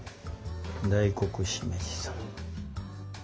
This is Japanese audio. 大黒しめじさん。